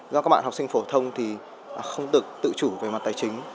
do các bạn học sinh phổ thông thì không được tự chủ về mặt tài chính